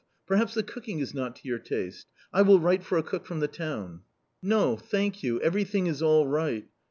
Perhaps the cooking is not to your taste ? I will write for a cook from the town." " No, thank you, everything is all right."